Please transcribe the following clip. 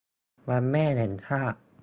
วันแม่แห่งชาติ